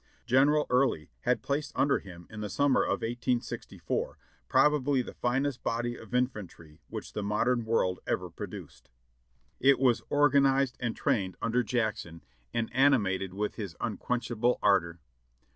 General Early had placed under him in the summer of 1864 probably the finest body of infantry which the modern world ever produced. It was organized and trained under Jackson and ani mated with his unquenchable ardor.